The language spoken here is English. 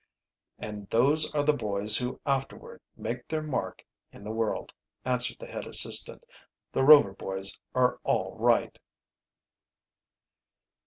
"And those are the boys who afterward make their mark in the world," answered the head assistant. "The Rover boys are all right."